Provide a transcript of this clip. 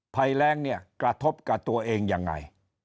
ภัยแรงเนี่ยกระทบกับตัวเองยังไง